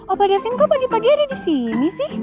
apa da vin kok pagi pagi ada di sini sih